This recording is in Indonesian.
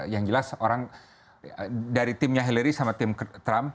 yang jelas orang dari timnya hillary sama tim trump